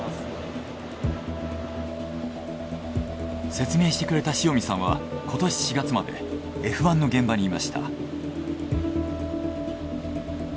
説明してくれた塩見さんは今年４月までＦ１の現場にいました。